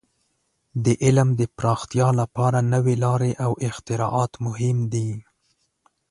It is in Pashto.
د علم د پراختیا لپاره نوې لارې او اختراعات مهم دي.